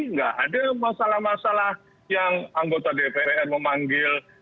nggak ada masalah masalah yang anggota dpr memanggil